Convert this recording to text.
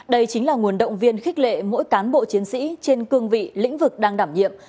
đây chính là nguồn động viên khích lệ mỗi cán bộ chiến sĩ trên cương vị lĩnh vực đang đảm nhiệm